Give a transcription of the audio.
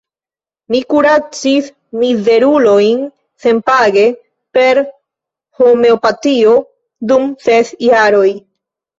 Mi kuracis mizerulojn senpage per homeopatio dum ses jaroj.